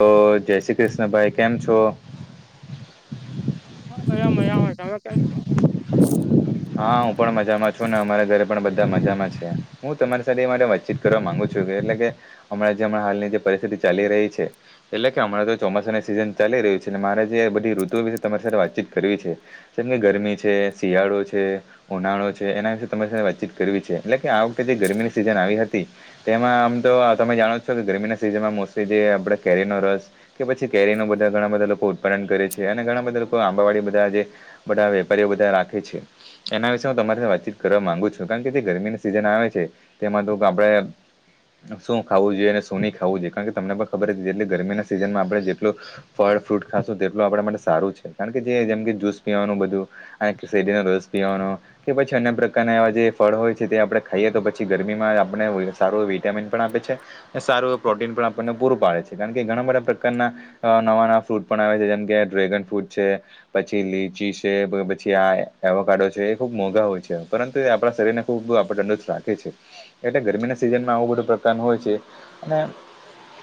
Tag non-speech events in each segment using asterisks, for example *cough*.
તો જય શ્રી કૃષ્ણ ભાઈ કેમ છો? હુ મજા છું તમે કેમ છો હા, હું પણ મજામાં છું ને અમારા ઘરે પણ બધા મજામાં છે. હું તમારી સાથે મા વાતચીત કરવા માંગુ છું એટલે કે હમણાં જે હમણાં હાલની જે પરિસ્થિતિ ચાલી રહી છે. એટલે કે હમાણાં તો ચોમાસાના સિઝન ચાલી રહ્યું છે. મારે જે બધી ઋતુઓ વિશે તમારી સાથે વાતચીત કરવી છે. જેમ કે ગરમી છે. શિયાળો છે. ઉનાળો છે એના વિશે તમારી સાથે વાતચીત કરવી છે એટલે કે આ વખતે જે ગરમીની સિઝન આવી હતી. તેમાં આમ તો તમે જાણો છો કે ગરમીના સિઝનમાં મોસ્ટલી જે આપણે કેરીનો રસ કે પછી કેરી ન બધા ઘણા બધા લોકો ઉત્પાદન કરે છે અને ઘણા બધા લોકો આંબા વાળી બધા જે બધા વેપારીઓ બધા રાખે છે એના વિશે હું તમારી સાથે વાતચીત કરવા માંગુ છું કારણ કે જે ગરમીની સિઝન આવે છે તેમાં તો આપણે શું ખાવું જોઈએ અને શું ન ખાવું જોઈએ કારણ કે તમને પણ ખબર જ જેટલી ગરમીના સીઝનમાં આપણે જેટલું ફળ ફ્રૂટ ખાશું તેટલું આપણા માટે સારું છે કારણ કે જે જેમ કે જ્યુસ પીવાનું બધું આ શેરીનો રોજ પીવાનો કે પછી અન્ય પ્રકારના એવા જે ફળ હોય છે તે આપણે ખાઈએ તો પછી ગરમીમાં આપણે સારું વિટામિન પણ આપે છે સારું એ પ્રોટીન પણ આપણને પૂરું પાડે છે કારણ કે ઘણા બધા પ્રકારના અ નવા નવા ફ્રૂટ પણ આવે છે જેમ કે ડ્રેગન ફ્રૂટ છે પછી લીચી છે પછી આ પાાડો છે એ ખુબ મોંઘા હોય છે પરંતુ એ આપણા શરીર ને ખુબ આપડ તંદુરસ્ત રાખે છે એટલે ગરમીના સિઝનમાં આવું બધું પ્રકારનું હોય છે અને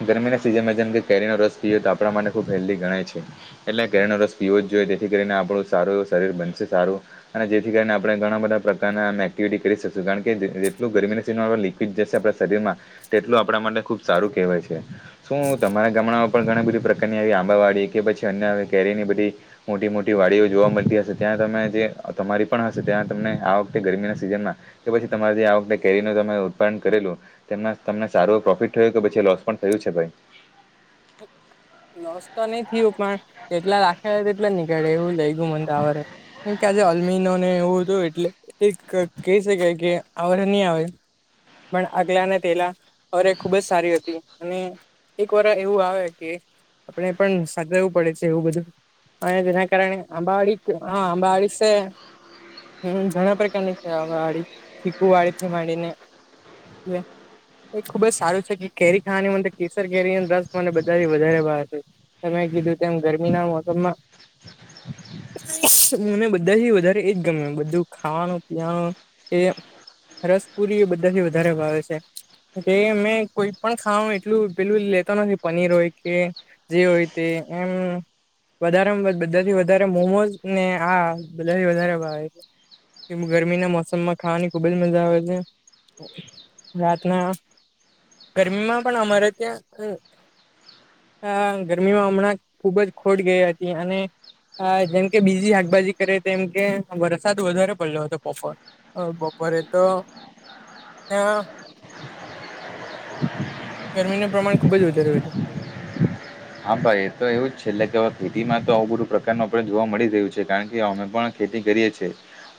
ગરમીના સિઝનમાં જેમ કેરીનો રસ પીએય તો આપણા માટે ખુબ જાપના ગણાય છે એટલે ઘરેનો રસ પીવો જ જોઈએ તેથી કરીને આપણું સારું એ શરીર બનશે સારું અને જેથી કરીણે આપણે ઘણા બધા પ્રકારના આમ એક્ટિવિટી કરી શકીશું કારણ કે જેટલું ગરમીની સિઝનોણે લીક જશે આપણા શરીરમાં તેટલું આપણા માટે ખુબ સારું કહેવાય છે શું તમારા ગામણા પણ ઘણી બધી પ્રકારની આવી આંબાવાળી કે પછી અ્ય હ કેરીની બધી મોટી મોટી વાડીઓ જોવા મળતી હશે ત્યાં તમે જે તમારી પણ હશે ત્યાં તમને આ વખતે ગરમીના સિઝનમાં કે પછી તમારી જે આ વખતે કેરીનું ત ઉત્પાદન કરેલું તેમ તમને સારું પ્રોફિટ થયું કે પછી લોસ પણ થયું છે ભાઈ નસ્તા નહ ઉપમા એટલા રાખે તેટલા નીકળે એવું લઈ ગય મને તો આવરે એમ કેજે અલમીનો ને એવું હતું એટલે એક કહી શકાય કે આવર નહી આવે પણ આગલા ના તેલા અરે ખુબ જ સારી હતી અને એક વાર એવું આવે કે આપણે પણ સાચવવું પડે છે એવું બધું હ દના કારણે અંબાળિક હ અંબાળ છે હમ ઘણા પ્રકારની છે વાળી ચીકુ વાળીથી માંડીને એ એ ખુબ જ સારું છે કે કેરી ખાવાની મ કેસર કેરી દસ મને બધાથી વધારે ભાર છે તં કીધું તેમ ગરમીના મોસમમાં મને બધાથી વધારે એજ ગમ બધું ખાવાનું પીવાનું એ રસ પુરી એ બધાથી વધારે વાાવે છે કે મે કોઈ પણ ખા એટલું પેલું લેતો નથી પનીર હોય કે જે હોય તે એમ વધારે બધાથી વધારે મોમોઝ ને આ બધાથી વધારે કે ગરમીના મોસમમાં ખાવાની ખુબજ મજા આવે છે રાત ના ગરમીમાં પણ અમારે ત્યાં ગરમીમાં હમણાં ખુબ જ ખોટ ગઈ હતી અને હા જેમકે બીજી શાકભાજી કરે તેમમ કે વરસાદ વધારે પડલો હતો બપોર હ બપોરે તો હ ગરમીનું પ્રમાણ ખૂબ જ વધારે રહ છે હા ભાઈ એ તો એવું જ છે એટલે કે ખેતીમાં તો આવુ બધું પ્રકારનું આપે જોવા મળી રહ્યું છે કારણ કે અમે પણ ખેતી કરીએ છીએ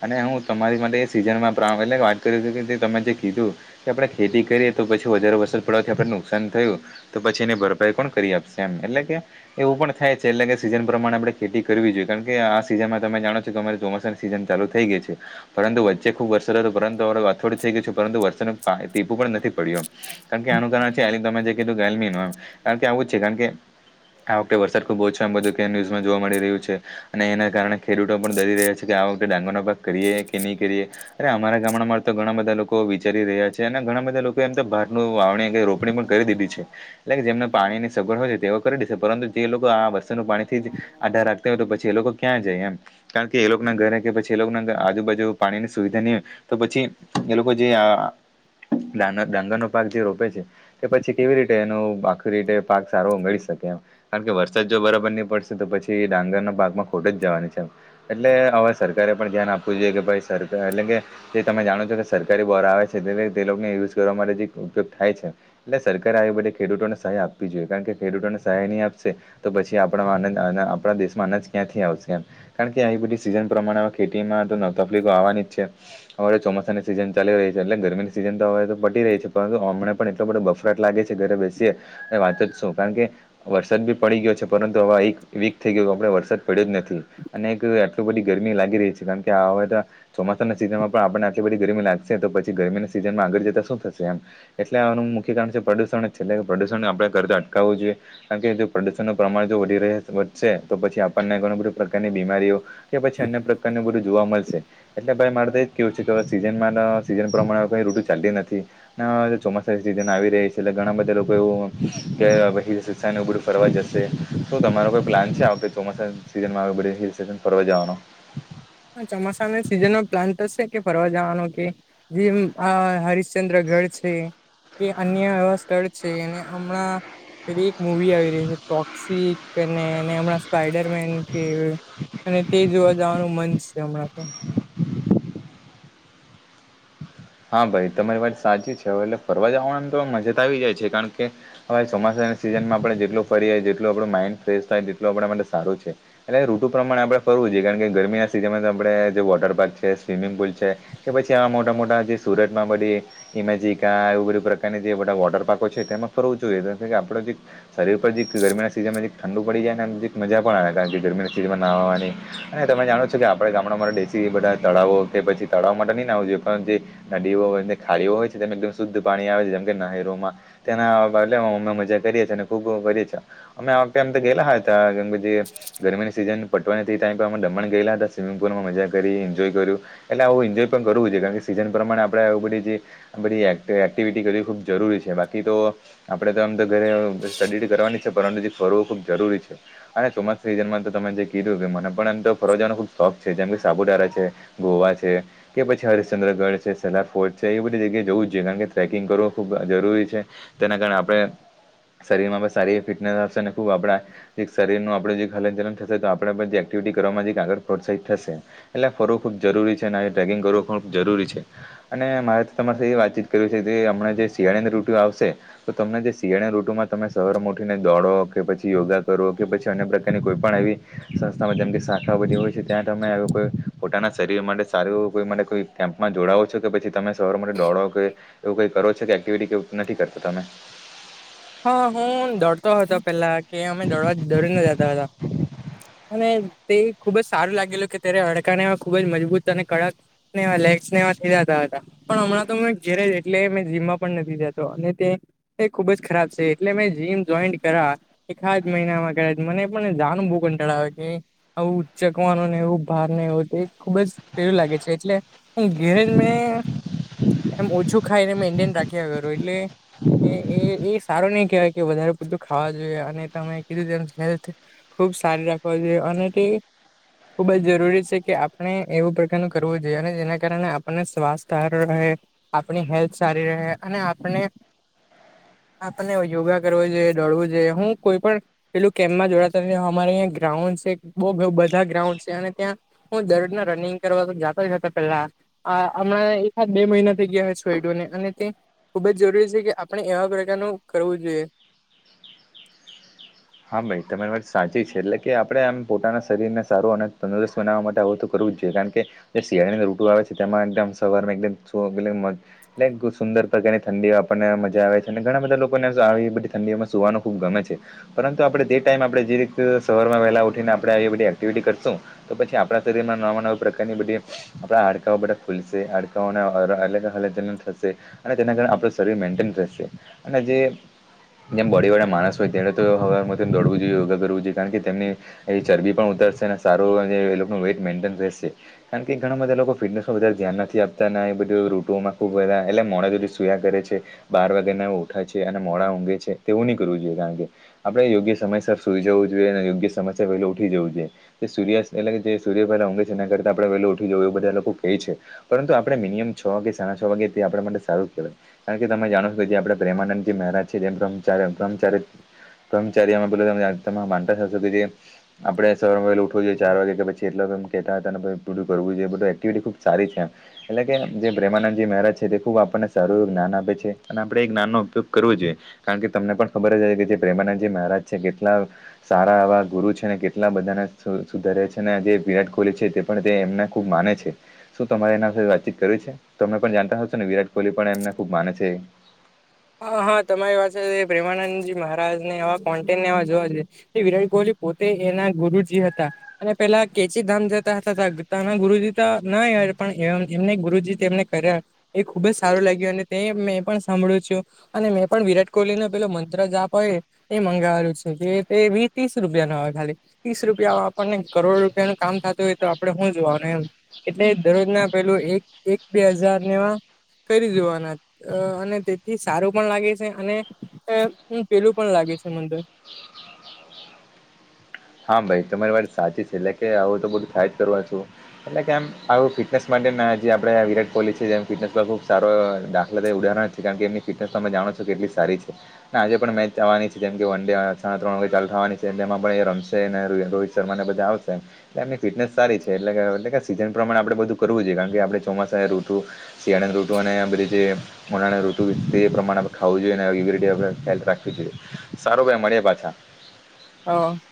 અને હું તમારી માટે એ સિઝનમાં પ્ર એટલે વાત કરું હતું કે જે તમે જે કીધું કે આપણેે ખેતી કરીએ તો પછી વધારે વસલ પડવાથી આપને નુકસાન થયું તો પછી એની ભરપાઈ કોણ કરી આપશે એમ એટલે કે એવું પણ થાય છે એટલે કે સિઝન પ્રમાણે આપણે ખેતી કરવી જોઈએ કારણ કે આ સિઝનમાં તમે જાણો છો કે અરે ચોમાસા સીઝન ચાલુ થઈ ગઈ છે પરંતુ વચ્ચે ખુબ વરસાદ હતો પરંતુ હવે અથોડું થઈ ગયું છેું પરંતુ વરસાદનું ટીપું પણ નથી પડ્યું કારણ કે આનું કારણ છે એ તમે જે કીધું ગલમી નમ કારણ કે આવું જ છે કારણ કે આ વખતે વરસાદ ખુબ ઓછો છે આમ બધું કેન ન્યુઝમાં જોવા મળી રહ્યું છે. અને એના કારણે ખેડૂતો પણ દરી રહ્યા છે કે આ વખતે ડાંગરનો પાક કરીએ કે નહી કરીએ અરે અમારા ગામડામાં તો ઘણા બધા લોકો વિચારી રહ્યા છે અને ઘણા બધા લોકો એમ તો બહારનું વાવણી રો કરી દીધી છે એટલે જેમને પાણી ની સગવડ હોય સેવા કરી દેશે પરંતુ જે લોકો આ વસ્તુનું પાણી થી જ આઢાર રાખતા હોય તો પછી એ લોકો ક્યાં જાય એમ કારણ કે એ લોકો ના ઘરે કે પછી એ લોકોના આજુબાજુ પાણીની સુવિધા નહિ હોય તો પછી એ લોકો જે આ ડા ડાંગર નો પાક જે રોપે છે તે પછી કેવી રીતે એનો આખી રીતે પાક સારો ઉમે એમ કારણ કે વરસાદ જો બરાબર નહીં પડશે તો પછી એ ડાંગરના પાકમાં ખોટ જવાની છે એમ એટલે હવે સરકારે પણ ધ્યાન આપવું જોઈએ કે ભાઈ સરકાર એટલે કે જે તમે જાણો છો કે સરકારી બોરા આવે છે તે તે લોકોને યુઝ કરવા માટે જે ઉપયોગ થાય છે એટલે સરકારે આ બધે ખેડૂતોને સહાય આપવી જોઈએ કારણ કે ખેડૂતોને સહાય નહીં આપશે તો પછી આપણા આપણા દેશમાં અનાજ ક્યાંથી આવશે એમ. કારણ કે આ બધી સીઝન પ્રમાણે ખેતીમાં તો નવ તકલીફો આવવાની જ છે. હવે ચોમાસાની સીઝન ચાલી રહી છે એટલે ગરમીની સીઝન તો હવે તો પટી રહી છે પરંતુ હમણા પણ એટલો બધો બફ બસ લાગે છે ઘરે બેસીએ અને વાત જ શું કારણ કે વરસાદ બી પડી ગયો છે પરંતુ હવે એક વીક થઈ ગયું આપડે વરસાદ પડ્યો જ નથી. અને એક આટલી બધી ગરમી લાગી રહી છે કારણ કે આ હવે તો ચોમાસાના સીઝનમાં પણ આપને આટલી બધી ગરમી લાગશે તો પછી ગરમીના સીઝનમાં આગળ જતા શું થશે એમ એટલે આનું મુખ્ય કારણ છે પ્રદુષણ છેલે પ્રદુષણ આપણે કરતા અટકાવવું જોઈએ. કારણ કે જો પ્રદુષણનું પ્રમાણ જો વધી વધશે તો પછી આપણને ઘણ બધી પ્રકારની બીમારીઓ કે પછી અન્ય પ્રકારનું બધું જોવા મળશે. એટલે ભાઈ મારે તો એ જ કેવું છે કે સીઝનમાં સિઝન પ્રમાણે કંઈ ઋટુ ચાલતી નથી. ચોમાસા સિઝન આવી રહી છે એટલે ઘણા બધા લોકો એવું કે વહી સસાને એવું બધું ફરવા જશે શું તમારો કોઈ પ્લાન છે આ વખતે ચોમાસામાં સિઝનમાં આગ બધી હિલ સિઝન ફરવા જવાનું ચોમાસા ના સિઝન નો પ્લાન શે કે ફરવા જવાનો કે જેમ આ હરિશ્ચંદ્ર ગઢ છે. એ અન્ય એવા સ્થળ છે એને હમણાં પેલી એક મુવી આવી રહી છે ટોક્સી કે અને હમણાં સ્પાઈડરમેન કે અને તે જોવા જવાનું મન છે હમણાં તો હા ભાઈ તમારી વાત સાચી છે હવે એટલે ફરવા જવાની તો મજા તો આવી જાય છે કારણ કે હવે ચોમાસાની સિઝનમાં આપણે જેટલુ ફરીએ જેટલું આપણું માઇન્ડ ફ્રેશ થાય તેટલો આપણા માટે સારું છે. એટલે ઋતુ પ્રમાણે આપણે ફરવું જોઈએ કારણ કે ગરમી ના સિઝનમાં આપણે જે વોટર પાર્ક છે સ્વિમિંગ પુલ છે. કે પછી આવા મોટા મોટા જે સુરત માં બની ઈમેજિકા એવું બધુ પ્રકારની જે બધા વોટર પાર્કો છે તેમાં ફરવું જોઈએ જેથી કે આપડો જે શરીર પર જે ગરમીના સિઝનમાં ઠંડુ પડી જાય ને એ મજા પણ આવે કારણ કે ગરમીના સિઝનમાં નાવાની. અને તમે જાણો છો કે આપડે ગામડામા દેશી એ બધા તળાવો કે પછી તળાવ માટે નઈ આવું જોઈએ પણ જે નદીઓ હોય ને ખાડીઓ હોય છે તેમ એકદમ શુદ્ધ પાણી આવે છે જેમ કે નહેરોમાં તેના બલેમાં મમ્મે મજા કરીએ છી અને ખુબ કરીએ છે અમે આ વખતે એમ ગેલા હતા ગણપતિ ગરમીની સીઝન પટવા આઈ તી તો તમે દમણ ગએલા હતા સિવિંગ પુલમાં મજા કરી એન્જોય કર્યું. એટલે આવું એન્જોય પણ કરવું જોઈએ કારણ કે સીઝન પ્રમાણે આપણેે એ બધી જે બધી એક્ટિવિટી કરવી ખૂબ જરૂરી છે બાકી તો આપડે તો આમ તો ઘરે સ્ટડી કરવાની છે પરંતુથી ફરવું ખુબ જરૂરી છે. અને ચોમાસા સિઝનમાં તો તમે જે કીધું કે મને પણ એમ તો ફરજાવાનો ખુબ શોખ છે જેમ કે સાપુતારા છે ગોવા છે કે પછી હરિશ્ચંદ્ર ગઢ છે સલાર ફોર્ટ છે એ બધી જગ્યાએ જવું જ જોઈએ કારણ કે ટ્રેકિંગ કરવું ખૂબ જરૂરી છે. તેના કારણે આપણે શરીરમાં પણ સારી ફિટનેસ હશે ને ખુબ આપડા એક શરીરનું આપડું જે હલનચલન થશે તો આપણે પણ એક્ટિવિટી કરવામાં આગળ પ્રોત્સાહિત થશે. એટલે ફરવું ખુબ જરૂરી છે અને ટ્રેકિંગ કરવું ખૂબ જરૂરી છે અને મારે તો તમારે એ વાતચીત કરવી છે કે હમણાં જે શિયાળીની રૂતુ આવશે તો તમને જે શિયાળની ઋતુમાં તમે શવારમાં ઉઠીને દોડો કે પછી યોગા કરો કે પછી અન્ય પ્રકારની કોઈ પણ એવી સંસ્થામાં જેમ કે શાખા બધી હોય છે ત્યાં તમે કોઈ પોતાના શરીર માટે સારું કોઈ માટે કોઈ કેમ્પમાં જોડાવો છો કે પછી તમે સવાર માટે દોળો કે એવું કઈ કરો કે એક્ટિવિટી નથી કરતો તમે હા હું દોડતો હતો પેલા કે અમે દોડવા દોડી ના જતા હતા. અને તે ખુબ જ સારું લાગેલું કે તેરે અડકાનેમાં ખુબ જ મજબૂત અને કડક *unintelligible* હતા પણ હમણાં તો મે ઘેરે જ એટલે મે જીમમાં પણ નથી જતો અને તે એ ખુબ જ ખરાબ છે એટલે મેં જીમ જોઈન્ટ કરા એખા જ મહિનામાં કરે મને પણ જાવાનું બો કંટળાવે કે આવું ચકવાનું ને એવું ભાર ને એવું ખુબ જ પેલું લાગે છે એટલે ઘેરેજ મેં એમ ઓછું ખાઈને મેન્ટેન રાખ્યા કરું એટલે એ એ સારો ની કેવાય કે વધારે બધું ખાવા જોઈએ અને તમે કીધું તેમ હેલ્થ ખુબ સારી રાખવા જોઈએ અને તે ખૂબ જ જરૂરી છે કે આપણે એવું પ્રકારનું કરવું જોઈએ અને જેના કારણે આપણને શ્વાસ હારું રહે આપણી હેલ્થ સારી રહે અને આપણે આપને યોગા કરવો જોઈએ દોળવું જોઈએ હું કોઈ પણ પેલું કેમ્પમાં જોડાતા અમારે અં ગ્રાઉન્ડ છે બ બધા ગ્રાઉન્ડ છે અને ત્યાં હું દરરોજના રનિંગ કરવા તો જાતો જ હતો પેલા આ હમણાં એકા બે મહિના થઈ ગયા હોય છોયડુંને અને તે ખુબ જરૂરી છે કે આપણે એવા નું કરવું જોઈએ. હા ભાઈ તમારી વાત સાચી છે એટલે કે આપડે આમ પોતાના શરીર ને સારું અને તંદુરસ્ત બનાવા માટે આવો તો કરવું જ જોઈએ કારણ કે જે શિયાળ ઋતુ આવે છે તેમાં એકદમ સવારમાં એકદમ *unintelligible* એટલે સુંદર તની ઠંડી આપણને મજા આવે છે અને ઘણા બધા લોકોને આવી બધી ઠંડીઓમાં સુવાનું ખૂબ ગમે છે. પરંતુ આપડે જે ટાઈમ આપડે જે રીતે સવારમાં વહેલા ઉઠીને આપડે આવી બધી એક્ટિવિટી કરશું. તો પછી આપડા શરીર માં નવા નવા પ્રકારની બધી આપડા હડકાઓ બધા ખુલશે હાડકાઓને એટલે કે હલનચલણ થશે અને તેના કારણે આપણું શરીર મેન્ટેન રહેશે અને જે જેમ બોડી વાળા માણસ હોય તેતો *unintelligible* દોડવું જોઈએ યોગા કરવુ જોઈએ કારણ તેમની એ ચરબી પણ ઉતરશે અને સારું એ વેઇટ મેન્ટેન રહેશે. કારણ કે ઘણા બધા લોકો ફિટનેસનું વધારે ધ્યાન નથી આપતાને એ બધું ઋતુ માં ખૂબ બધા એટલે મોડે સુધી સૂયા કરે છે. બાર વાગ્યા ના ઉઠા છે અને મોડા ઊંઘે છે તેવું ની કરવું જોઈએ કારણ કે આપડે યોગ્ય સમયસર સુઈ જવું જોઈએ અને યોગ્ય સમયસર વેલું ઉઠી જવું જો ઈએ. સૂર્યાસ પેલા જે સૂર્ય પહેલા ઊગે છે એના કરતા આપણે પેલા ઉઠી જવુ એ બધા લોકો કેય છે. પરંતુ આપડે મિનિમમ છ વાગે સાડા છ વાગે તે આપડા માટે સારું કેવાય. કારણ કે તમે જાણો છો કે જે આપડા પ્રેમાનંદજી મહારાજ છે તે ભ્રમચાર *unintelligible* કર્મચારીઓ *unintelligible* આપણે સવારમાં વેલુ ઉઠવુ જોઈએ ચાર વાગે એલાગ એ કતા હતા અને પછ પું કરવું જોઈએ બધું એક્ટિવિટી ખૂબ સારી છે એમ. એટલે કે જે પ્રેમાનંદજી મહારાજ છે તે ખુબ આપણને સારું એવ જ્ઞાન આપે છે અને આપડે એ જ્ઞાનનો ઉપયોગ કરવો જોઈએ. કારણ કે તમને પણ ખબર જ હતી કે જે પ્રેમાનંદજી મહારાજ છે કેટલા સારા આવા ગુરુ છે ને કેટલા બધાને સુધાર્યા છે ને જે વિરાટ કોહલી છે તે પણ તે એમને ખુબ માને છે. શું તમારે એના વિશે વાતચીત કરવી છે તમે પણ જાણતા હશો ને વિરાટ કોહલી પણ એમને ખૂબ માને છે. હા હા તમારી વાત છે પ્રેમાનંદજી મહારાજ ને એવા કોન્ટેનને એવા જોવા જઈએ. એ વિરાટ કોહલી પોતે એના ગુરુજી હતા. અને પેલા કેચી ધામ જતા થતાતા ગુરુજી તો ન પણ એમને ગુરુજી તેમને કર્યા એ ખુબ જ સારું લાગ્યું અને તે મેં પણ સાંભળ્યું છું. અને મેં પણ વિરાટ કોહલીને પેલો મંત્ર જા આપ એ એ મંગાવવુ છે કે તે વી ત્રીસ રૂપિયા ના આવે ખાલી ત્રીસ રૂપિયા આપણને કરોડ રૂપિયાનું કામ થતું હોય તો આપડણે હું જોવાનું એમ. એટલે દરરોજ ના પેલું એક એક બે હજાર નેવા કરી દેવાના અને તે થી સારું પણ લાગે છે અને પેલું પણ લાગે છે મંદર. હા ભાઈ તમારી વાત સાચી છે એટલે કે હવે તો બધું થાય જ કરવા છું. એટલે કે એમ આવું ફિટનેસ માટે જે આપણેે વિરાટ કોહલી છે જેમ ફિટનેસ પર ખુબ સારો દાખલા થ ઉડના કારણ કે એમની ફિટનેસ તમે જાણો છો કેટલી સારી છે. આજે પણ મેચ આવવાની છે જેમ કે વન ડે સાડા ત્રણ વાગે ચાલુ થવાની છે એમાં પણ એ રમશે. રોહિત શર્મા ને બધા આવશેમ. એલે એમની ફિટનેસ સારી છે એટલે એ સીઝન પ્રમાણે આપણે બધું કરવું જોઈએ કારણ કે આપણે ચોમાસા ઋતુ સીિયાડટવા ધ છે *unintelligible* મોનાને ઋતુ તે પ્રમાણે આપણે ખાવું જોઈએ અને આવી આપણે હેલ્થ રાખવી જોઈએ સારું ભાઈ મળ્યા પાછા. હ.